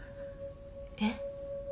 えっ？